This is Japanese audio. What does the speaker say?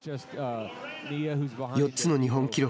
４つの日本記録。